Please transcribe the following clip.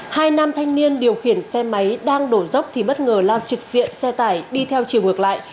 hai nam thanh niên điều khiển xe máy đang đổ dốc thì bất ngờ lao trực diện xe tải đi theo chiều ngược lại